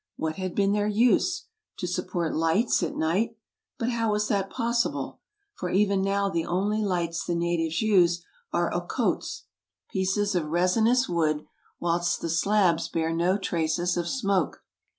What had been their use ? To sup port lights at night ? But how was that possible ? For even now the only lights the natives use are ocotes, pieces of 97 98 TRAVELERS AND EXPLORERS resinous wood, whilst the slabs bear no traces of smoke.